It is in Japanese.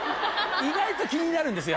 意外と気になるんです。